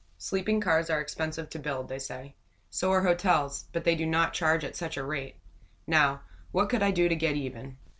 Sleeping cars are expensive to build, they say. So are hotels; but they do not charge at such a rate. Now, what could I do to get even?